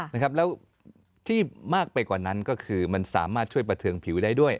นะครับแล้วที่มากไปกว่านั้นก็คือมันสามารถช่วยประเทิงผิวได้ด้วย